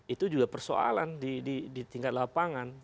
itu juga persoalan di tingkat lapangan